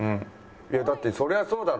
だってそりゃそうだろ。